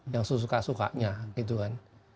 yang sesuka sukanya gitu kan